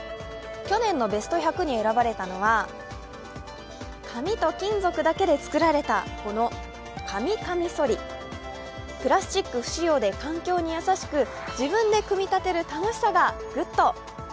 去年のベスト１００に選ばれたのは、紙と金属だけで作られた紙カミソリ、プラスチック不使用で環境に優しく、自分で組み立てる楽しさがグッド！